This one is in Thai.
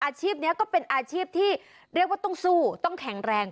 อาชีพนี้ก็เป็นอาชีพที่เรียกว่าต้องสู้ต้องแข็งแรง